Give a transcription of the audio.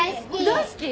大好き？